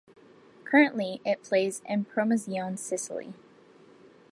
Currently it plays in Promozione Sicily.